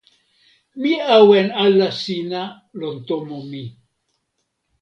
mi awen ala sina lon tomo mi.